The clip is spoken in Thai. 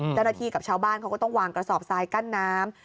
เจ้าหน้าที่กับชาวบ้านเขาก็ต้องวางกระสอบทรายกั้นน้ำ